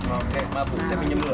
oke mbak bu saya pinjam dulu